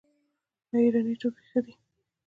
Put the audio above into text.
آیا ایراني توکي ښه دي؟